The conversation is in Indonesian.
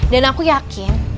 dan aku yakin